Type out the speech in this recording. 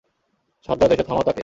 সাজ্জাদ, এসে থামাও তাকে।